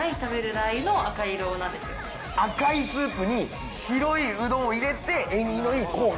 赤いスープに白いうどんを入れて縁起のいい紅白。